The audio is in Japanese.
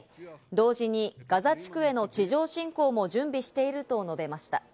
同時にガザ地区への地上侵攻も準備していると述べました。